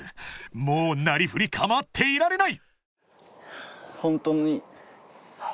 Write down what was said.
［もうなりふり構っていられない］